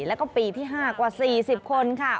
แล้วก็ปีที่๕กว่า๔๐คนค่ะ